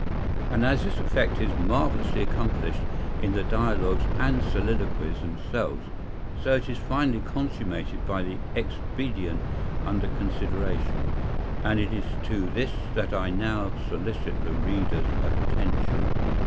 And, as this effect is marvellously accomplished in the dialogues and soliloquies themselves, so it is finally consummated by the expedient under consideration; and it is to this that I now solicit the reader's attention.